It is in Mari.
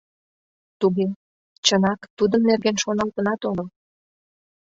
— Туге... чынак, тудын нерген шоналтынат огыл...